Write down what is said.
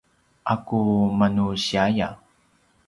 ’aku manusiaya